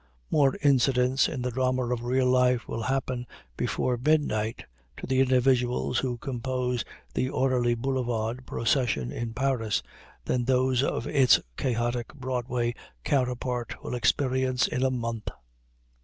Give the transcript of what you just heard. More incidents in the drama of real life will happen before midnight to the individuals who compose the orderly Boulevard procession in Paris than those of its chaotic Broadway counterpart will experience in a month.